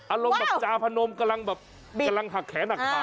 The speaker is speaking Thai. อารมณ์จาพนมกำลังหักแขนักขา